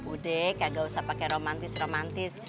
udah kagak usah pakai romantis romantis